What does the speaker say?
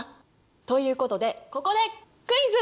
ということでここでクイズ！